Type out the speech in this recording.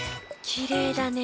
きれいだね。